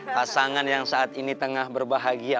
pasangan yang saat ini tengah berbahagia